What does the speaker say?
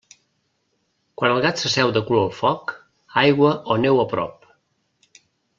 Quan el gat s'asseu de cul al foc, aigua o neu a prop.